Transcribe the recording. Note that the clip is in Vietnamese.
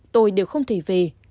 tôi đều không thể về